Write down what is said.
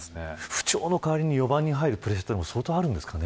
不調の代わりに４番に入るプレッシャーもあるんですかね。